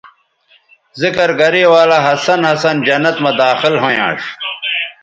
ذکر گرے ولہ ہسن ہسن جنت مہ داخل ھویانݜ